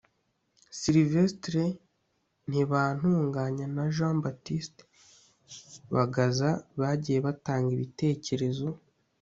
Sylvestre Ntibantunganya na Jean Baptiste Bagaza bagiye batanga ibitekerezo